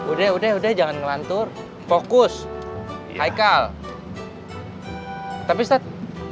udah udah udah jangan ngelantur fokus haikel tapi set